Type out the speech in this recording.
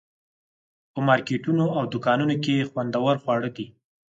په مارکیټونو او دوکانونو کې خوندور خواړه دي.